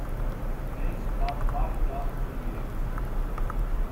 Makes about five thousand a year.